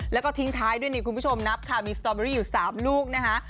แล้วก็ทิ้งท้ายด้วยนี่คุณผู้ชมนับค่ะมีสตอเบอรี่อยู่๓ลูกนะคะ